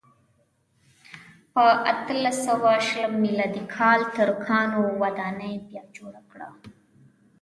په اتلس سوه شلم میلادي کال ترکانو ودانۍ بیا جوړه کړه.